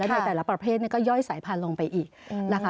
และใดประเภทก็ย่อยสายพันธุ์ลงไปอีก